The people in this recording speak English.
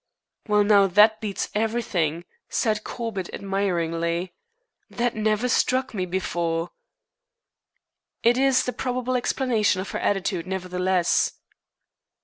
"Well, now, that beats everything," said Corbett admiringly. "That never struck me before." "It is the probable explanation of her attitude, nevertheless."